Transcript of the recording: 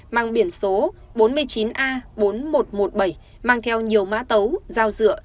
mang biển số bốn mươi chín a bốn nghìn một trăm một mươi bảy mang theo nhiều mã tấu dao dựa